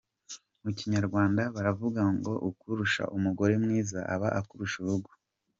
Mu Kinyarwanda baravuga ngo “Ukurusha umugore mwiza aba akurusha urugo.